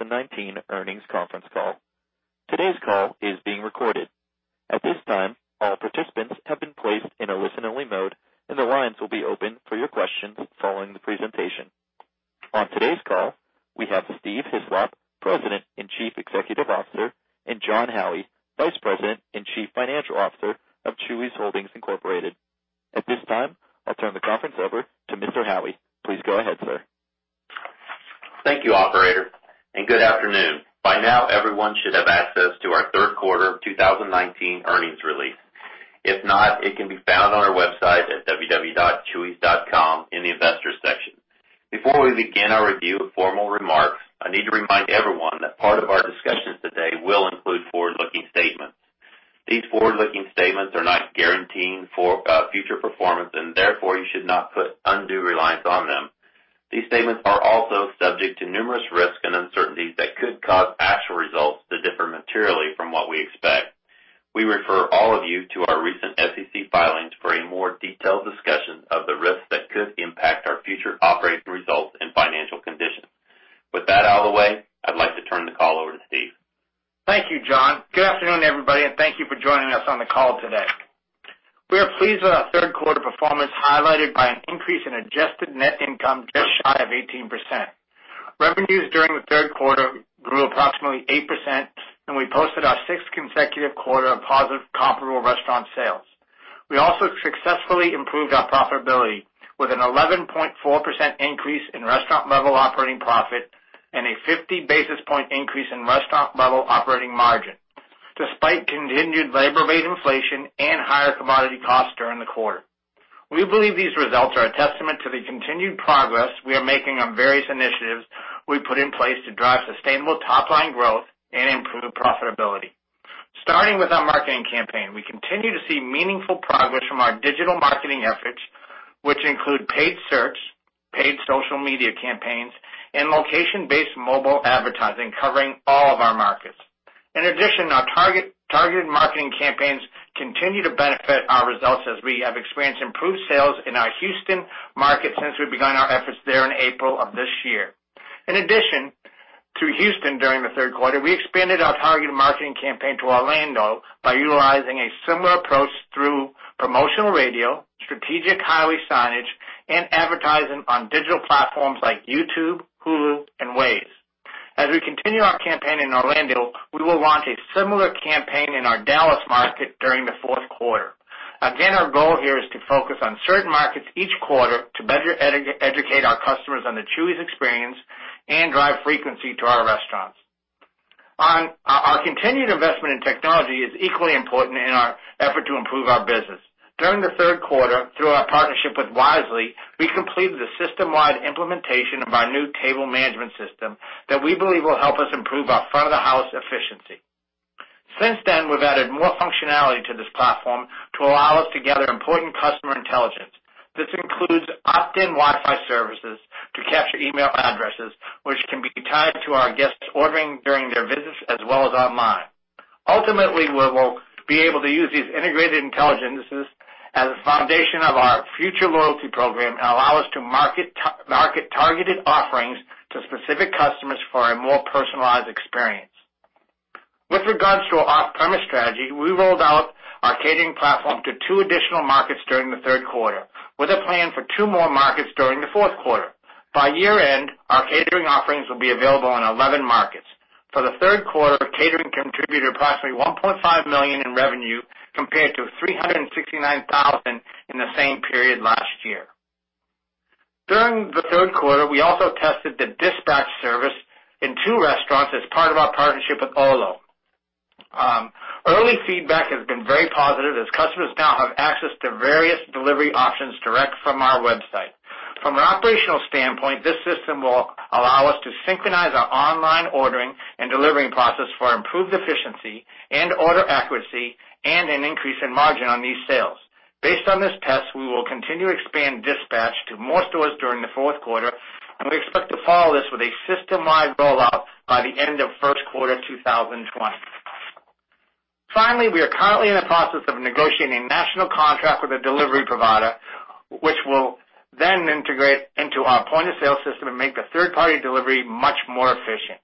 Good day, everyone, and welcome to the Chuy's Holdings third quarter 2019 earnings conference call. Today's call is being recorded. At and we posted our sixth consecutive quarter of positive comparable restaurant sales. We also successfully improved our profitability with an 11.4% increase in restaurant-level operating profit and a 50 basis point increase in restaurant-level operating margin, despite continued labor rate inflation and higher commodity costs during the quarter. We believe these results are a testament to the continued progress we are making on various initiatives we put in place to drive sustainable top-line growth and improve profitability. Starting with our marketing campaign, we continue to see meaningful progress from our digital marketing efforts, which include paid search, paid social media campaigns, and location-based mobile advertising covering all of our markets. In addition, our targeted marketing campaigns continue to benefit our results as we have experienced improved sales in our Houston market since we began our efforts there in April of this year. In addition to Houston during the third quarter, we expanded our targeted marketing campaign to Orlando by utilizing a similar approach through promotional radio, strategic highway signage, and advertising on digital platforms like YouTube, Hulu, and Waze. As we continue our campaign in Orlando, we will launch a similar campaign in our Dallas market during the fourth quarter. Again, our goal here is to focus on certain markets each quarter to better educate our customers on the Chuy's experience and drive frequency to our restaurants. Our continued investment in technology is equally important in our effort to improve our business. During the third quarter, through our partnership with Wisely, we completed the system-wide implementation of our new table management system that we believe will help us improve our front of the house efficiency. Since then, we've added more functionality to this platform to allow us to gather important customer intelligence. This includes opt-in Wi-Fi services to capture email addresses, which can be tied to our guests' ordering during their visits, as well as online. Ultimately, we will be able to use these integrated intelligences as a foundation of our future loyalty program and allow us to market targeted offerings to specific customers for a more personalized experience. With regards to our off-premise strategy, we rolled out our catering platform to two additional markets during the third quarter, with a plan for two more markets during the fourth quarter. By year-end, our catering offerings will be available in 11 markets. For the third quarter, catering contributed approximately $1.5 million in revenue compared to $369,000 in the same period last year. During the third quarter, we also tested the dispatch service in two restaurants as part of our partnership with Olo. Early feedback has been very positive as customers now have access to various delivery options direct from our website. From an operational standpoint, this system will allow us to synchronize our online ordering and delivering process for improved efficiency and order accuracy, and an increase in margin on these sales. Based on this test, we will continue to expand dispatch to more stores during the fourth quarter. We expect to follow this with a system-wide rollout by the end of first quarter 2020. Finally, we are currently in the process of negotiating a national contract with a delivery provider, which will then integrate into our point-of-sale system and make the third-party delivery much more efficient.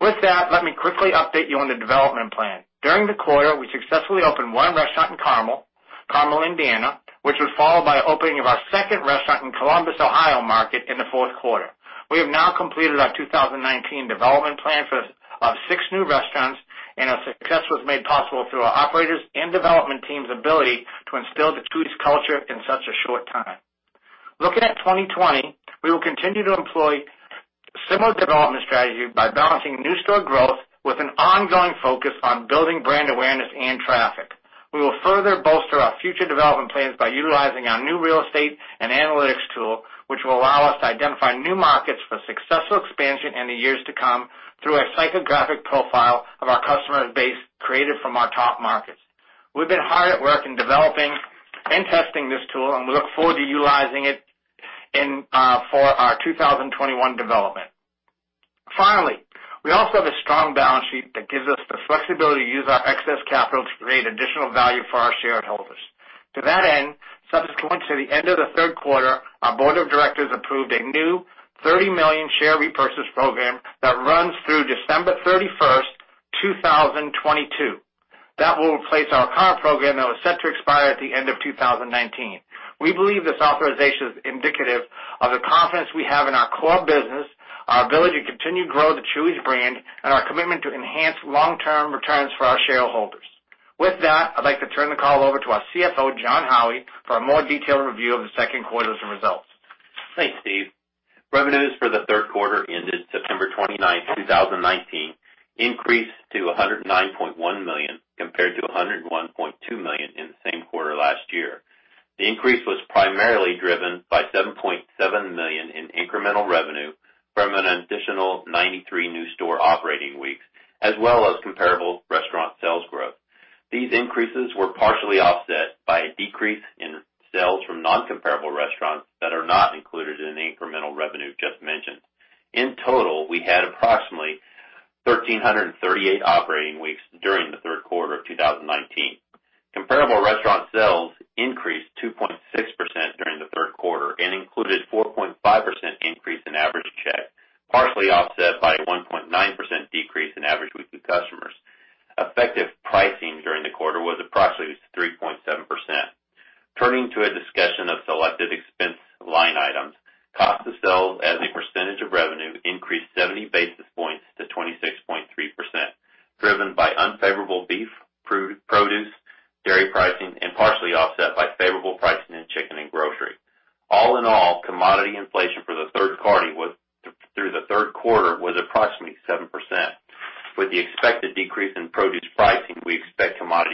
With that, let me quickly update you on the development plan. During the quarter, we successfully opened one restaurant in Carmel, Indiana, which was followed by opening of our second restaurant in Columbus, Ohio market in the fourth quarter. We have now completed our 2019 development plan of six new restaurants. Our success was made possible through our operators and development team's ability to instill the Chuy's culture in such a short time. Looking at 2020, we will continue to employ similar development strategies by balancing new store growth with an ongoing focus on building brand awareness and traffic. We will further bolster our future development plans by utilizing our new real estate and analytics tool, which will allow us to identify new markets for successful expansion in the years to come through a psychographic profile of our customer base created from our top markets. We've been hard at work in developing and testing this tool, and we look forward to utilizing it for our 2021 development. We also have a strong balance sheet that gives us the flexibility to use our excess capital to create additional value for our shareholders. To that end, subsequent to the end of the third quarter, our board of directors approved a new $30 million share repurchase program that runs through December 31, 2022. That will replace our current program that was set to expire at the end of 2019. We believe this authorization is indicative of the confidence we have in our core business, our ability to continue to grow the Chuy's brand, and our commitment to enhance long-term returns for our shareholders. With that, I'd like to turn the call over to our CFO, Jon Howie, for a more detailed review of the second quarter's results. Thanks, Steve. Revenues for the third quarter ended September 29th 2019 increased to $109.1 million, compared to $101.2 million in the same quarter last year. The increase was primarily driven by $7.7 million in incremental revenue from an additional 93 new store operating weeks, as well as comparable restaurant sales growth. These increases were partially offset by a decrease in sales from non-comparable restaurants that are not included in the incremental revenue just mentioned. In total, we had approximately 1,338 operating weeks during the third quarter of 2019. Comparable restaurant sales increased 2.6% during the third quarter and included 4.5% increase in average check, partially offset by a 1.9% decrease in average weekly customers. Effective pricing during the quarter was approximately 3.7%. Turning to a discussion of selected expense line items, cost of sales as a percentage of revenue increased 70 basis points to 26.3%, driven by unfavorable beef, produce, dairy pricing, and partially offset by favorable pricing in chicken and grocery. All in all, commodity inflation through the third quarter was approximately 7%. With the expected decrease in produce pricing, we expect commodity inflation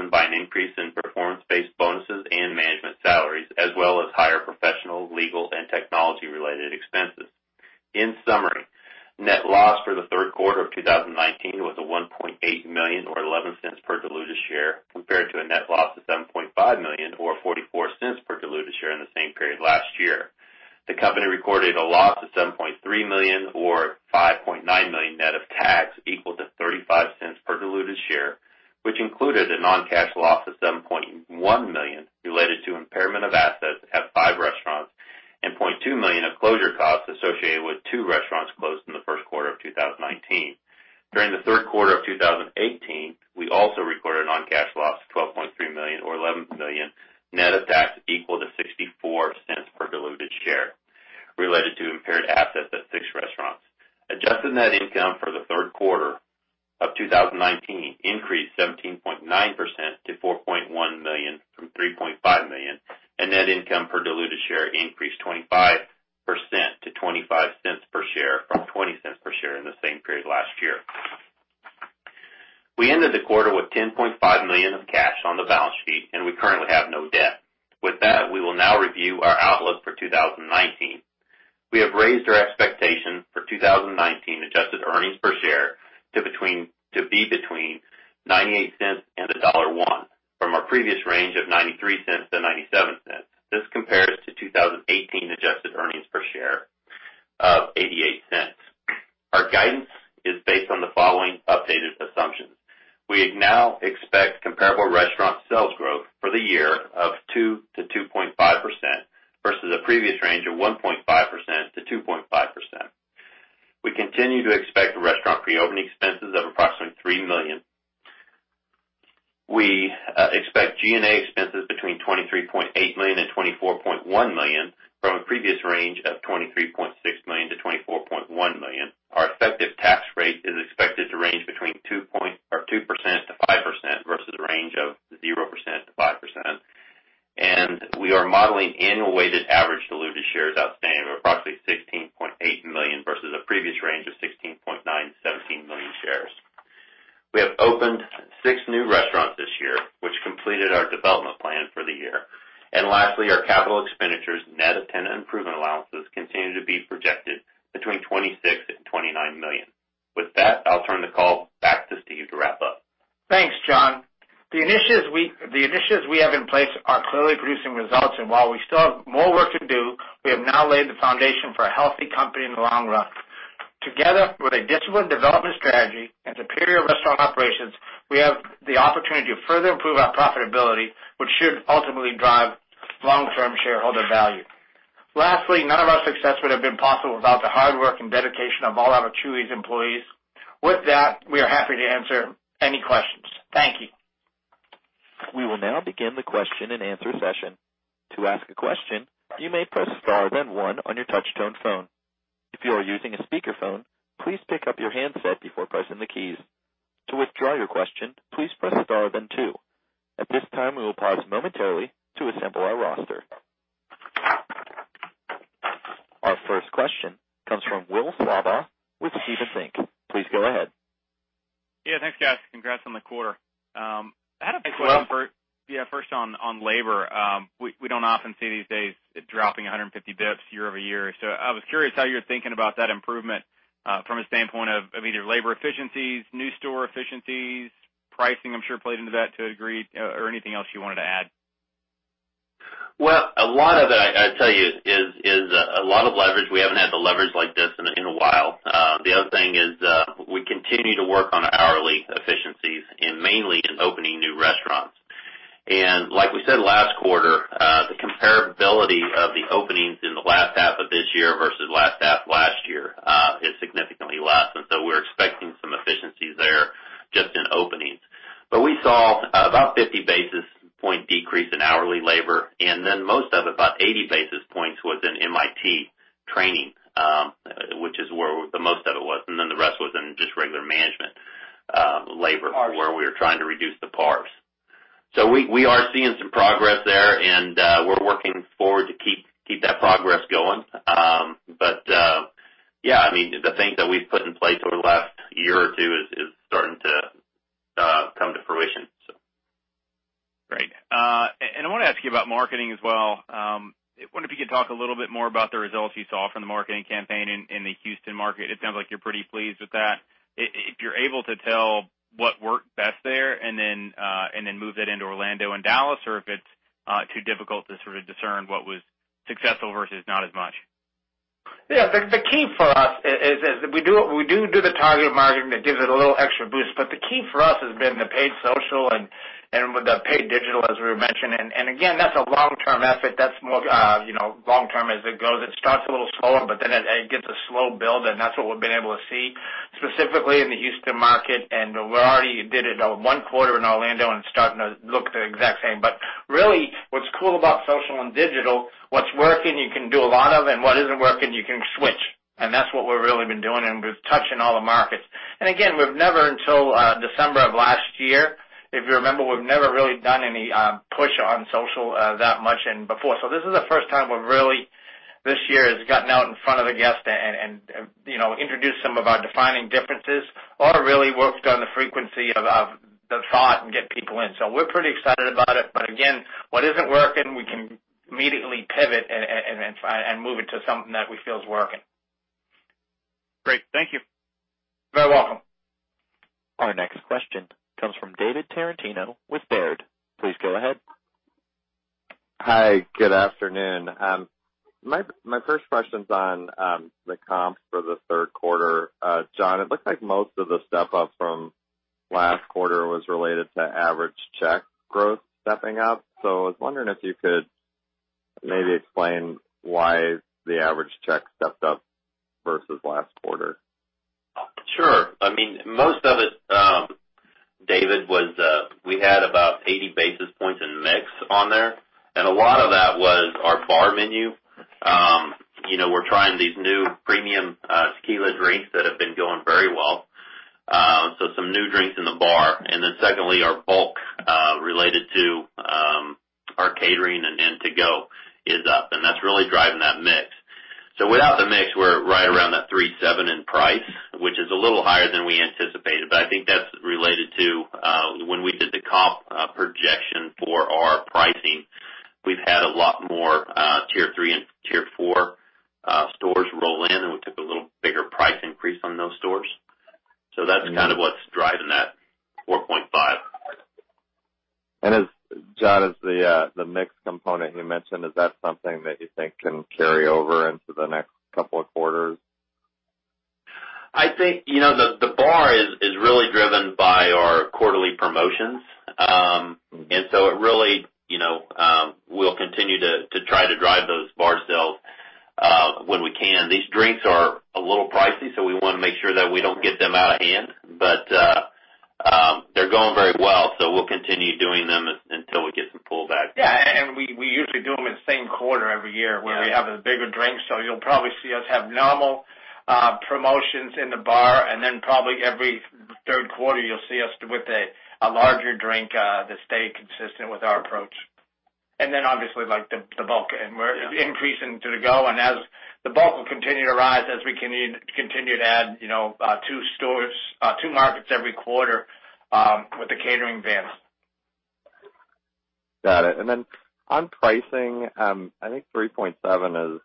Steve discussed earlier. Occupancy cost as a percentage of revenue decreased 10 basis points to 7.5% as we leveraged our fixed occupancy costs on higher sales, partially offset by higher rental expense at certain newly opened restaurants in larger markets, as well as higher real estate taxes. General and administrative expenses increased to $6 million in the third quarter compared to $4.8 million in the same period last year, primarily driven by an increase in performance-based bonuses and management salaries, as well as higher professional, legal, and technology-related expenses. In summary, net loss for the third quarter of 2019 was $1.8 million, or $0.11 per diluted share, compared to a net loss of $7.5 million, or $0.44 per diluted share in the same period last year. The company recorded a loss of $7.3 million or $5.9 million net of tax, equal to $0.35 per diluted share, which included a non-cash loss of $7.1 million related to impairment of assets at five restaurants and $0.2 million of closure costs associated with two restaurants closed in the first quarter of 2019. During the third quarter of 2018, we also recorded non-cash loss of $12.3 million or $11 million net of tax equal to $0.64 per diluted share related to impaired assets at six restaurants. Adjusted net income for the third quarter of 2019 increased 17.9% to $4.1 million from $3.5 million, and net income per diluted share increased 25% to $0.25 per share from $0.20 per share in the same period last year. We ended the quarter with $10.5 million of cash on the balance sheet. We currently have no debt. We will now review our outlook for 2019. We have raised our expectations for 2019 adjusted earnings per share to be between $0.98 and $1 from our previous range of $0.93 to $0.97. This compares to 2018 adjusted earnings per share of $0.88. Our guidance is based on the following updated assumptions. We now expect comparable restaurant sales growth for the year of 2%-2.5%, versus a previous range of 1.5%-2.5%. We continue to expect restaurant pre-opening expenses of approximately $3 million. We expect G&A expenses between $23.8 million and $24.1 million from a previous range of $23.6 million-$24.1 million. Our effective tax rate is expected to range between 2%-5% versus a range of 0%-5%. We are modeling annual weighted average diluted shares outstanding of approximately 16.8 million versus a previous range of 16.9 million-17 million shares. We have opened six new restaurants this year, which completed our development plan for the year. Lastly, our capital expenditures net of tenant improvement allowances continue to be projected between $26 million and $29 million. With that, I'll turn the call back to Steve to wrap up. Thanks, Jon. The initiatives we have in place are clearly producing results, and while we still have more work to do, we have now laid the foundation for a healthy company in the long run. Together with a disciplined development strategy and superior restaurant operations, we have the opportunity to further improve our profitability, which should ultimately drive long-term shareholder value. Lastly, none of our success would have been possible without the hard work and dedication of all our Chuy's employees. With that, we are happy to answer any questions. Thank you. We will now begin the question and answer session. To ask a question, you may press star then one on your touch-tone phone. If you are using a speakerphone, please pick up your handset before pressing the keys. To withdraw your question, please press star then two. At this time, we will pause momentarily to assemble our roster. Our first question comes from Will Slabaugh with Stephens Inc.. Please go ahead. Yeah, thanks guys. Congrats on the quarter. Thanks, Will. First on labor. We don't often see these days it dropping 150 basis points year-over-year. I was curious how you're thinking about that improvement from a standpoint of either labor efficiencies, new store efficiencies, pricing I'm sure played into that to a degree or anything else you wanted to add? Well, a lot of it, I tell you, is a lot of leverage. We haven't had the leverage like this in a while. The other thing is, we continue to work on hourly efficiencies mainly in opening new restaurants. Like we said last quarter, the comparability of the openings in the last half of this year versus last half last year, is significantly less. We're expecting some efficiencies there just in openings. We saw about 50 basis point decrease in hourly labor, and then most of it, about 80 basis points, was in MIT training, which is where the most of it was, and then the rest was in just regular management labor. PARs where we were trying to reduce the PARs. We are seeing some progress there, and we're working forward to keep that progress going. Yeah, the things that we've put in place over the last year or two is starting to come to fruition. Great. I want to ask you about marketing as well. I wonder if you could talk a little bit more about the results you saw from the marketing campaign in the Houston market. It sounds like you're pretty pleased with that. If you're able to tell what worked best there and then move that into Orlando and Dallas or if it's too difficult to sort of discern what was successful versus not as much. Yeah. The key for us is, we do the targeted marketing that gives it a little extra boost, the key for us has been the paid social and with the paid digital, as we were mentioning. Again, that's a long-term effort. That's more long-term as it goes. It starts a little slower, it gets a slow build, that's what we've been able to see specifically in the Houston market, we already did it one quarter in Orlando, and it's starting to look the exact same. Really what's cool about social and digital, what's working, you can do a lot of, what isn't working, you can switch, that's what we've really been doing, we've touched in all the markets. Again, we've never, until December of last year, if you remember, we've never really done any push on social that much before. This is the first time we've really, this year, has gotten out in front of the guest and introduced some of our defining differences. [Otto] really worked on the frequency of the thought and get people in. We're pretty excited about it. Again, what isn't working, we can immediately pivot and move it to something that we feel is working. Great. Thank you. You're very welcome. Our next question comes from David Tarantino with Baird. Please go ahead. Hi, good afternoon. My first question's on the comps for the third quarter. Jon, it looks like most of the step-up from last quarter was related to average check growth stepping up. I was wondering if you could maybe explain why the average check stepped up versus last quarter. Sure. Most of it, David, was we had about 80 basis points in mix on there. A lot of that was our bar menu. We're trying these new premium tequila drinks that have been going very well. Some new drinks in the bar. Secondly, our bulk, related to our catering and to-go is up. That's really driving that mix. Without the mix, we're right around that 3.7 in price, which is a little higher than we anticipated. I think that's related to when we did the comp projection for our pricing. We've had a lot more tier 3 and tier 4 stores roll in. We took a little bigger price increase on those stores. That's kind of what's driving that 4.5. Jon, as the mix component you mentioned, is that something that you think can carry over into the next couple of quarters? The bar is really driven by our quarterly promotions. We'll continue to try to drive those bar sales when we can. These drinks are a little pricey, so we want to make sure that we don't get them out of hand. They're going very well, so we'll continue doing them until we get some pullbacks. Yeah. We usually do them in the same quarter every year. Yeah where we have a bigger drink. You'll probably see us have normal promotions in the bar, and then probably every third quarter, you'll see us with a larger drink to stay consistent with our approach. Obviously, like the bulk, and we're increasing to-go, and as the bulk will continue to rise, as we continue to add two markets every quarter with the catering vans. Got it. On pricing, I think 3.7% is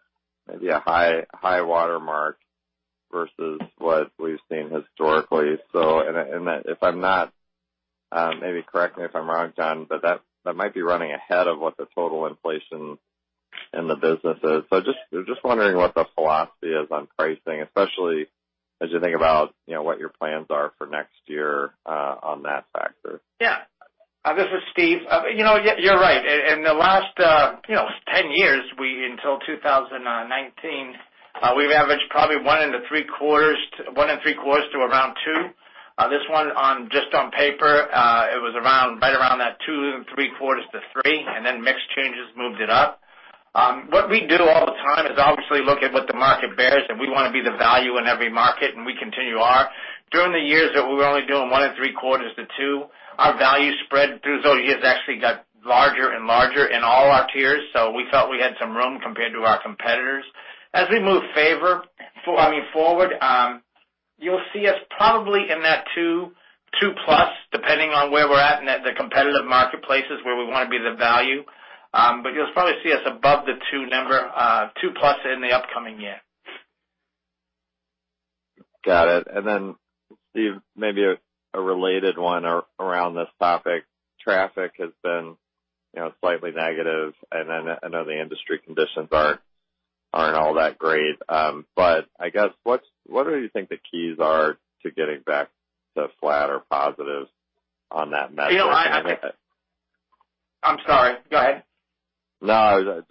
maybe a high watermark versus what we've seen historically. Correct me if I'm wrong, Jon, but that might be running ahead of what the total inflation in the business is. Just wondering what the philosophy is on pricing, especially as you think about what your plans are for next year on that factor. Yeah. This is Steve. You're right. In the last 10 years, until 2019, we've averaged probably one and three quarters to around two. This one, just on paper it was right around that two and three quarters to three, and then mix changes moved it up. What we do all the time is obviously look at what the market bears, and we want to be the value in every market, and we continue our During the years that we were only doing one and three quarters to two, our value spread through those years actually got larger and larger in all our tiers, so we felt we had some room compared to our competitors. As we move forward, you'll see us probably in that two plus, depending on where we're at in the competitive marketplaces, where we want to be the value. You'll probably see us above the 2 number, 2 plus in the upcoming year. Got it. Steve, maybe a related one around this topic. Traffic has been slightly negative, and I know the industry conditions aren't all that great. I guess, what do you think the keys are to getting back to flat or positive on that metric? I'm sorry, go ahead. No,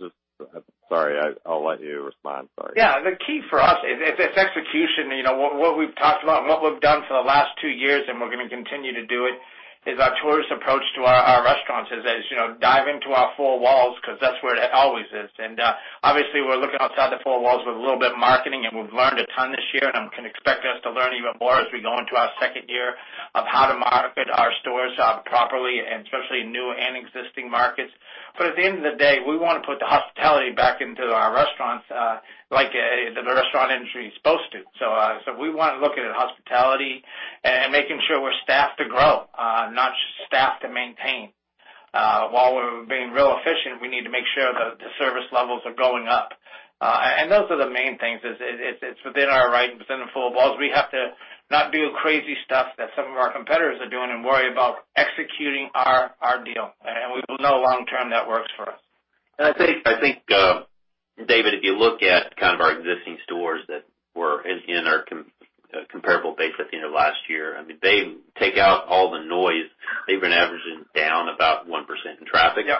Sorry, I'll let you respond. Sorry. Yeah. The key for us is execution. What we've talked about and what we've done for the last two years, and we're going to continue to do it, is our tourist approach to our restaurants is dive into our four walls, because that's where it always is. Obviously we're looking outside the four walls with a little bit of marketing, and we've learned a ton this year, and can expect us to learn even more as we go into our second year of how to market our stores properly, and especially new and existing markets. At the end of the day, we want to put the hospitality back into our restaurants, like the restaurant industry is supposed to. We want to look at hospitality and making sure we're staffed to grow, not staffed to maintain. While we're being real efficient, we need to make sure the service levels are going up. Those are the main things is it's within our right, within the four walls. We have to not do crazy stuff that some of our competitors are doing and worry about executing our deal. We know long term, that works for us. I think, David, if you look at kind of our existing stores that were in our comparable base at the end of last year, take out all the noise, they've been averaging down about 1% in traffic. Yeah.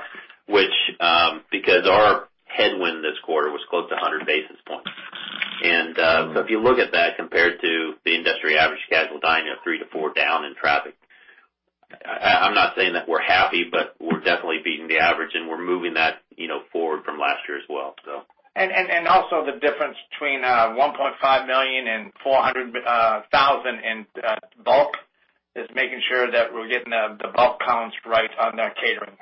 Because our headwind this quarter was close to 100 basis points. If you look at that compared to the industry average casual dining of 3%-4% down in traffic, I'm not saying that we're happy, but we're definitely beating the average and we're moving that forward from last year as well. The difference between $1.5 million and $400,000 in bulk is making sure that we're getting the bulk counts right on that catering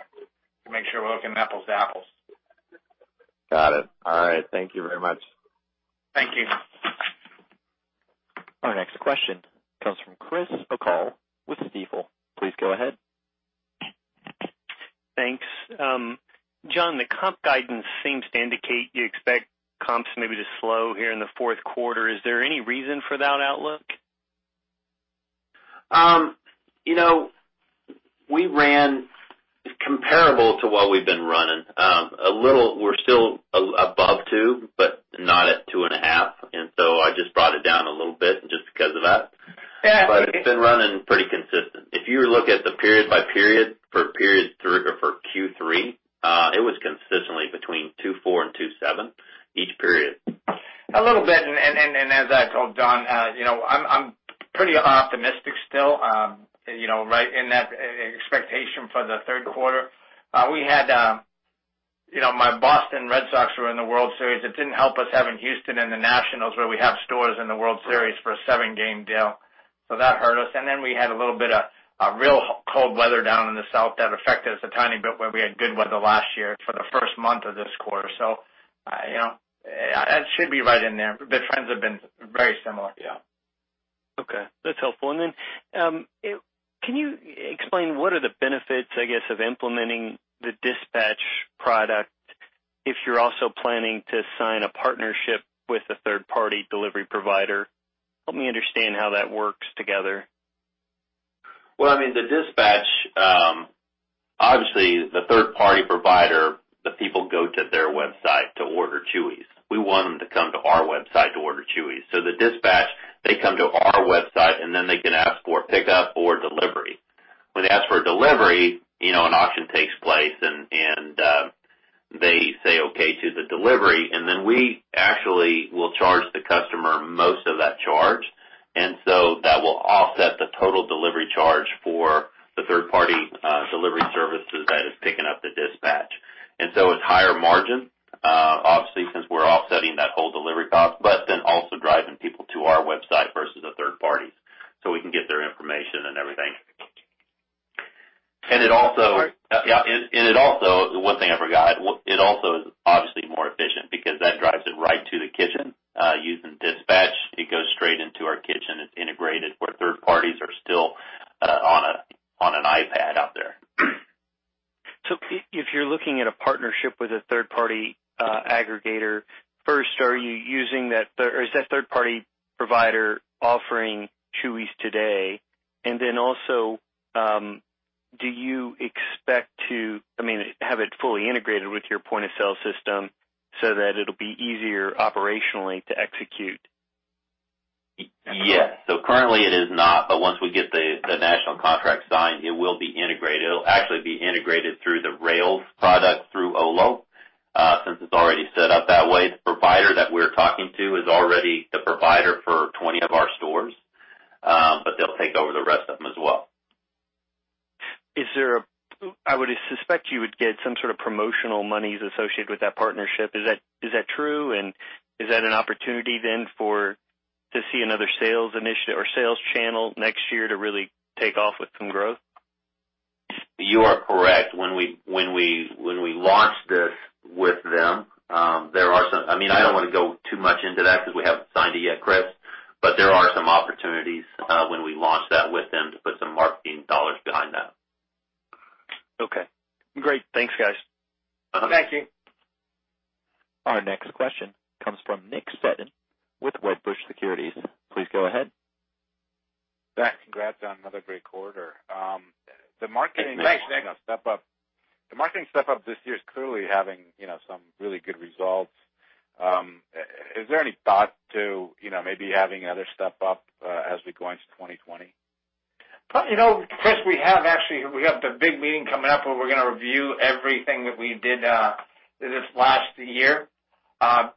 to make sure we're looking at apples to apples. Got it. All right. Thank you very much. Thank you. Our next question comes from Chris O'Cull with Stifel. Please go ahead. Thanks. Jon, the comp guidance seems to indicate you expect comps maybe to slow here in the fourth quarter. Is there any reason for that outlook? We ran comparable to what we've been running. A little, we're still above two, but not at two and a half. I just brought it down a little bit just because of that. Yeah. It's been running pretty consistent. If you look at the period by period for periods or for Q3, it was consistently between 2.4 and 2.7 each period. A little bit. As I told Jon, I'm pretty optimistic still, right in that expectation for the third quarter. My Boston Red Sox were in the World Series. It didn't help us having Houston and the Nationals, where we have stores in the World Series, for a seven-game deal. That hurt us. We had a little bit of real cold weather down in the South that affected us a tiny bit, where we had good weather last year for the first month of this quarter. It should be right in there. The trends have been very similar. Yeah. Okay, that's helpful. Can you explain what are the benefits, I guess, of implementing the Dispatch product if you're also planning to sign a partnership with a third-party delivery provider? Help me understand how that works together. The dispatch, obviously the third-party provider, the people go to their website to order Chuy's. We want them to come to our website to order Chuy's. The dispatch, they come to our website and then they can ask for pickup or delivery. When they ask for delivery, an auction takes place, and they say okay to the delivery, and then we actually will charge the customer most of that charge. That will offset the total delivery charge for the third party delivery services that is picking up the dispatch. It's higher margin obviously since we're offsetting that whole delivery cost, also driving people to our website versus a third party's, so we can get their information and everything. Sorry. Yeah. One thing I forgot, it also is obviously more efficient because that drives it right to the kitchen. Using Dispatch, it goes straight into our kitchen. It's integrated where third parties are still on an item You're looking at a partnership with a third-party aggregator. First, is that third-party provider offering Chuy's today? Also, do you expect to have it fully integrated with your point-of-sale system so that it'll be easier operationally to execute? Yes. Currently it is not, but once we get the national contract signed, it will be integrated. It'll actually be integrated through the Rails product, through Olo. Since it's already set up that way, the provider that we're talking to is already the provider for 20 of our stores, but they'll take over the rest of them as well. I would suspect you would get some sort of promotional monies associated with that partnership. Is that true? Is that an opportunity then to see another sales initiative or sales channel next year to really take off with some growth? You are correct. When we launch this with them, I don't want to go too much into that because we haven't signed it yet, Chris. There are some opportunities when we launch that with them to put some marketing dollars behind that. Okay, great. Thanks, guys. Thank you. Our next question comes from Nick Setyan with Wedbush Securities. Please go ahead. Thanks. Congrats on another great quarter. Thanks, Nick. The marketing step-up this year is clearly having some really good results. Is there any thought to maybe having other step-up as we go into 2020? Chris, we have the big meeting coming up where we're going to review everything that we did this last year. I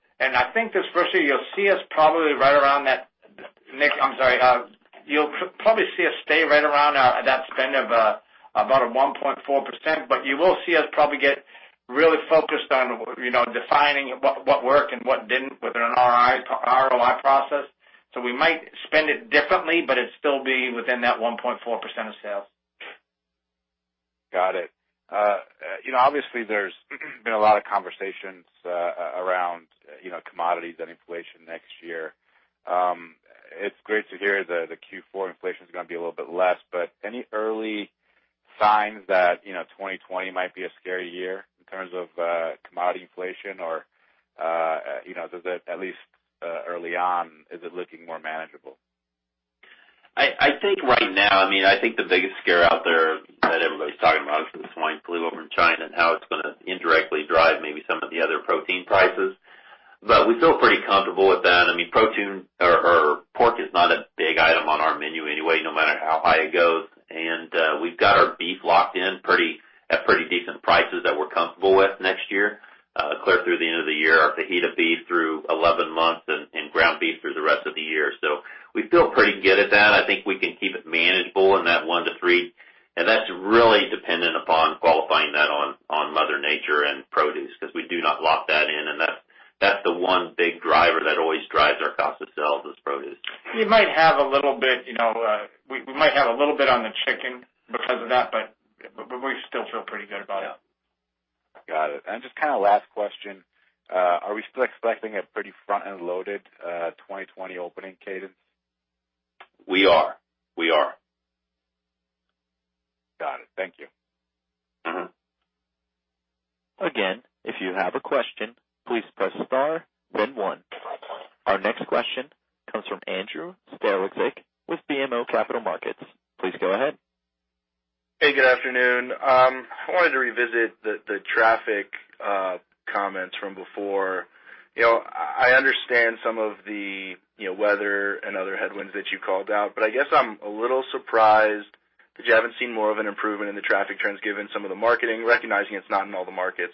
think this first year, Nick, you'll probably see us stay right around that spend of about a 1.4%, but you will see us probably get really focused on defining what worked and what didn't within an ROI process. We might spend it differently, but it'd still be within that 1.4% of sales. Got it. Obviously, there's been a lot of conversations around commodities and inflation next year. It's great to hear the Q4 inflation is going to be a little bit less, but any early signs that 2020 might be a scary year in terms of commodity inflation? At least early on, is it looking more manageable? I think right now, the biggest scare out there that everybody's talking about is the swine flu over in China and how it's going to indirectly drive maybe some of the other protein prices. We feel pretty comfortable with that. Pork is not a big item on our menu anyway, no matter how high it goes. We've got our beef locked in at pretty decent prices that we're comfortable with next year, clear through the end of the year. Our fajita beef through 11 months and ground beef through the rest of the year. We feel pretty good at that. I think we can keep it manageable in that 1%-3%. That's really dependent upon qualifying that on Mother Nature and produce because we do not lock that in, and that's the one big driver that always drives our cost of sales, is produce. We might have a little bit on the chicken because of that, we still feel pretty good about it. Got it. Just last question, are we still expecting a pretty front-end loaded 2020 opening cadence? We are. We are. Got it. Thank you. Again, if you have a question, please press star then one. Our next question comes from Andrew Strelzik with BMO Capital Markets. Please go ahead. Hey, good afternoon. I wanted to revisit the traffic comments from before. I understand some of the weather and other headwinds that you called out, but I guess I'm a little surprised that you haven't seen more of an improvement in the traffic trends given some of the marketing, recognizing it's not in all the markets.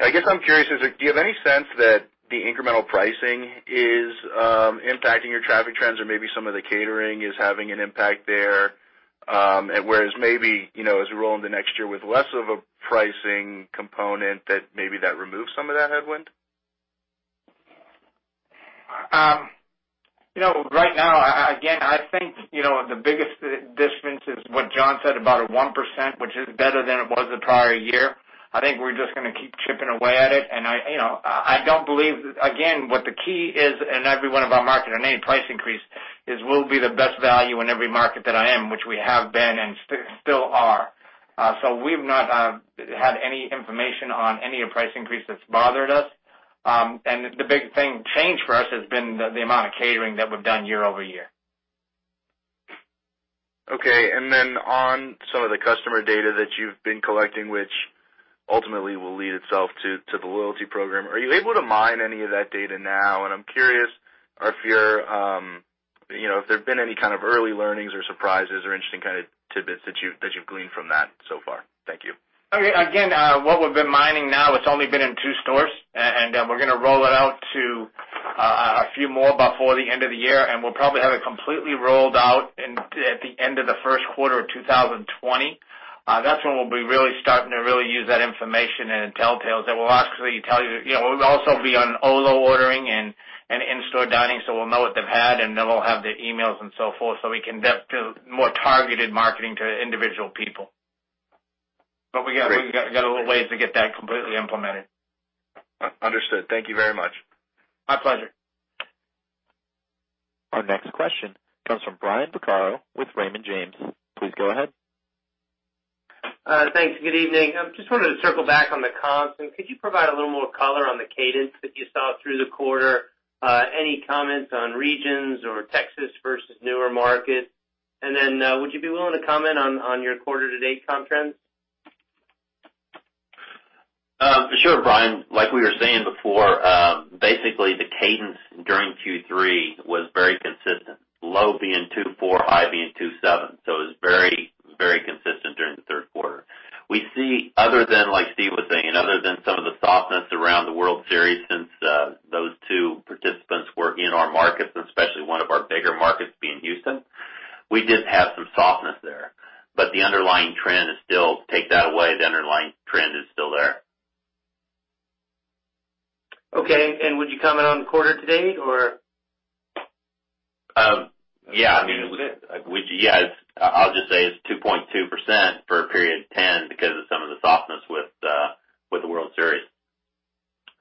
I guess I'm curious, do you have any sense that the incremental pricing is impacting your traffic trends or maybe some of the catering is having an impact there? Whereas maybe, as we roll into next year with less of a pricing component that maybe that removes some of that headwind? Right now, again, I think the biggest distance is what Jon said about a 1%, which is better than it was the prior year. I think we're just going to keep chipping away at it. I don't believe, again, what the key is in every one of our market in any price increase is we'll be the best value in every market that I am, which we have been and still are. We've not had any information on any price increase that's bothered us. The big thing change for us has been the amount of catering that we've done year-over-year. Okay. On some of the customer data that you've been collecting, which ultimately will lead itself to the loyalty program, are you able to mine any of that data now? I'm curious if there have been any kind of early learnings or surprises or interesting tidbits that you've gleaned from that so far. Thank you. What we've been mining now, it's only been in two stores, and we're going to roll it out to a few more before the end of the year, and we'll probably have it completely rolled out at the end of the first quarter of 2020. That's when we'll be really starting to use that information and it tells tales that will actually tell you. We'll also be on Olo ordering and in-store dining, we'll know what they've had, we'll have their emails and so forth, we can do more targeted marketing to individual people. Great a little ways to get that completely implemented. Understood. Thank you very much. My pleasure. Our next question comes from Brian Vaccaro with Raymond James. Please go ahead. Thanks. Good evening. I just wanted to circle back on the comps. Could you provide a little more color on the cadence that you saw through the quarter? Any comments on regions or Texas versus newer markets? Would you be willing to comment on your quarter to date comp trends? Sure, Brian. Like we were saying before, basically the cadence during Q3 was very consistent, low being 2.4%, high being 2.7%. It was very consistent during the third quarter. We see, other than like Steve was saying, and other than some of the softness around the World Series since those two participants were in our markets, and especially one of our bigger markets being Houston, we did have some softness there. The underlying trend is still, take that away, the underlying trend is still there. Okay. Would you comment on quarter to date or? Yeah. I mean, yes. I'll just say it's 2.2% for a period 10 because of some of the softness with the World Series.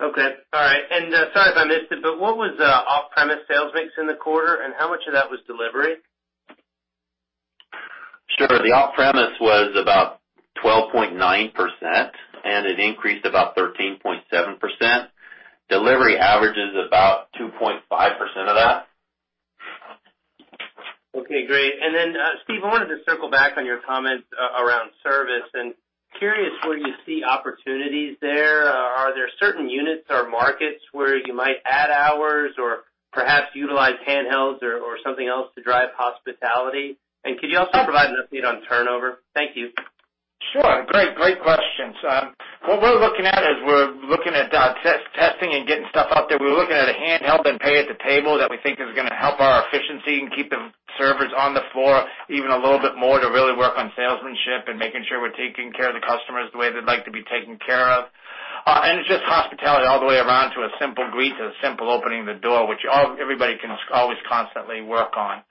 Okay. All right. Sorry if I missed it, but what was off-premise sales mix in the quarter, and how much of that was delivery? Sure. The off-premise was about 12.9%, and it increased about 13.7%. Delivery average is about 2.5% of that. Okay, great. Steve, I wanted to circle back on your comments around service, and curious where you see opportunities there. Are there certain units or markets where you might add hours or perhaps utilize handhelds or something else to drive hospitality? Could you also provide an update on turnover? Thank you. Sure. Great questions. What we're looking at is we're looking at testing and getting stuff out there. We're looking at a handheld and pay at the table that we think is going to help our efficiency and keep the servers on the floor even a little bit more to really work on salesmanship and making sure we're taking care of the customers the way they'd like to be taken care of. It's just hospitality all the way around to a simple greet, to a simple opening the door, which everybody can always constantly work on.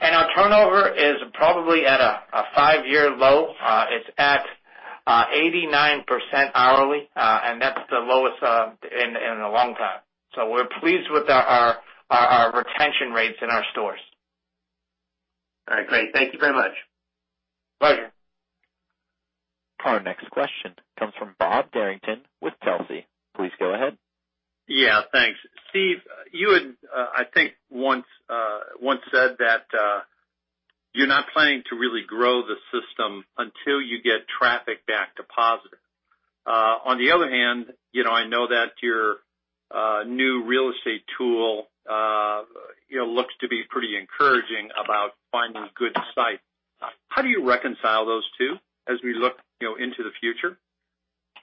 Our turnover is probably at a five-year low. It's at 89% hourly, and that's the lowest in a long time. We're pleased with our retention rates in our stores. All right, great. Thank you very much. Pleasure. Our next question comes from Bob Derrington with Telsey. Please go ahead. Yeah. Thanks. Steve, you had, I think, once said that you're not planning to really grow the system until you get traffic back to positive. On the other hand, I know that your new real estate tool looks to be pretty encouraging about finding good sites. How do you reconcile those two as we look into the future?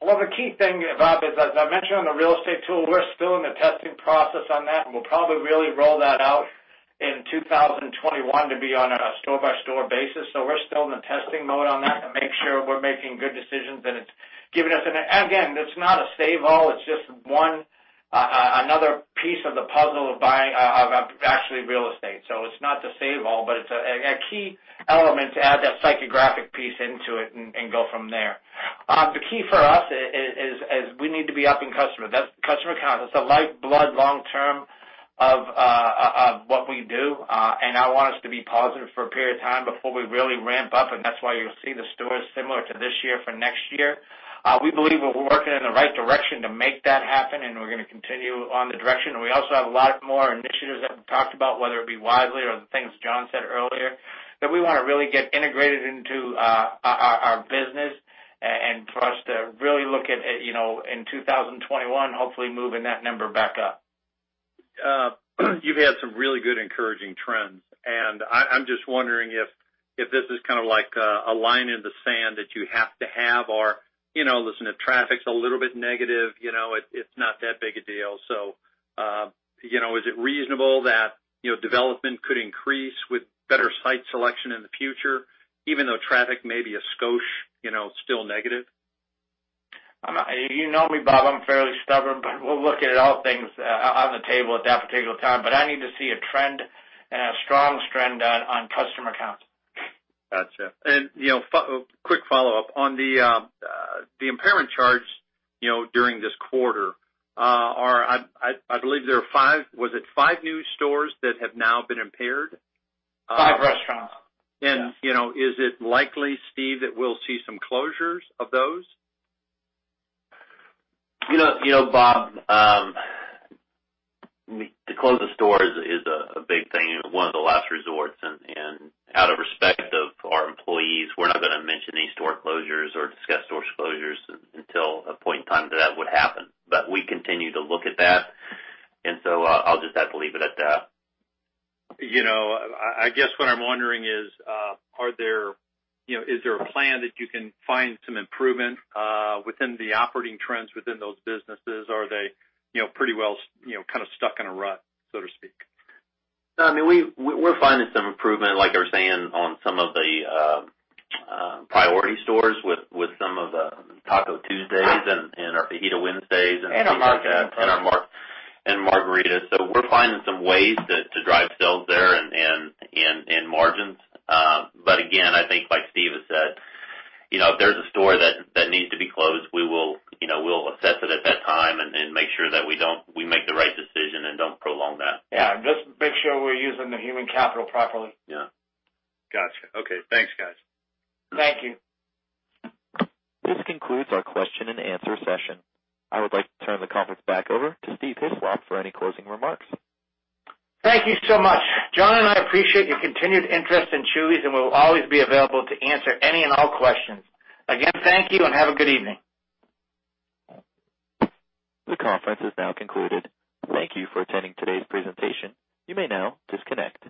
The key thing, Bob, is, as I mentioned on the real estate tool, we're still in the testing process on that, and we'll probably really roll that out in 2021 to be on a store-by-store basis. We're still in the testing mode on that to make sure we're making good decisions, and it's giving us and again, it's not a save all, it's just another piece of the puzzle of buying actually real estate. It's not to save all, but it's a key element to add that psychographic piece into it and go from there. The key for us is we need to be up in customer. That's customer count. It's the lifeblood long term of what we do, and I want us to be positive for a period of time before we really ramp up, and that's why you'll see the stores similar to this year for next year. We believe we're working in the right direction to make that happen, and we're going to continue on the direction. We also have a lot more initiatives that we've talked about, whether it be Wisely or the things Jon said earlier, that we want to really get integrated into our business and for us to really look at in 2021, hopefully moving that number back up. You've had some really good encouraging trends. I'm just wondering if this is kind of like a line in the sand that you have to have, or listen, if traffic's a little bit negative, it's not that big a deal. Is it reasonable that development could increase with better site selection in the future, even though traffic may be a skosh still negative? You know me, Bob Derrington, I'm fairly stubborn, but we'll look at all things on the table at that particular time. I need to see a trend and a strong trend on customer counts. Got you. Quick follow-up. On the impairment charge during this quarter, I believe there are five. Was it five new stores that have now been impaired? Five restaurants. Is it likely, Steve, that we'll see some closures of those? You know, Bob Derrington, to close a store is a big thing and one of the last resorts. Out of respect of our employees, we're not going to mention any store closures or discuss store closures until a point in time that would happen. We continue to look at that, and so I'll just have to leave it at that. I guess what I'm wondering is there a plan that you can find some improvement within the operating trends within those businesses? Are they pretty well kind of stuck in a rut, so to speak? I mean, we're finding some improvement, like I was saying, on some of the priority stores with some of the Taco Tuesdays and our Fajita Wednesdays and things like that. Our margarita Thursday. Margarita. We're finding some ways to drive sales there and margins. Again, I think like Steve has said, if there's a store that needs to be closed, we'll assess it at that time and make sure that we make the right decision and don't prolong that. Yeah. Just make sure we're using the human capital properly. Yeah. Got you. Okay. Thanks, guys. Thank you. This concludes our question and answer session. I would like to turn the conference back over to Steve Hislop for any closing remarks. Thank you so much, Jon. I appreciate your continued interest in Chuy's, and we'll always be available to answer any and all questions. Again, thank you and have a good evening. The conference has now concluded. Thank you for attending today's presentation. You may now disconnect.